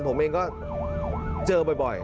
ผมเองก็เจอบ่อย